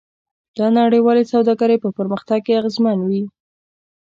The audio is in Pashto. دا نړیوالې سوداګرۍ په پرمختګ کې اغیزمن وي.